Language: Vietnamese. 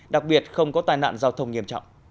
đặc biệt không có tai nạn giao thông nghiêm trọng